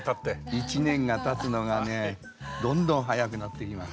１年がたつのがねどんどん早くなっていきます。